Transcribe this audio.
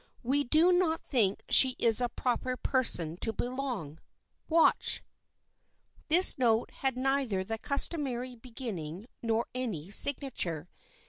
We do not think she is a proper person to belong. Watch !" This note had neither the customary beginning nor any signature.